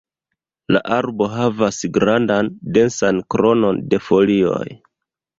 La arbo havas grandan, densan kronon de folioj.